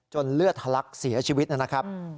เลือดทะลักเสียชีวิตนะครับ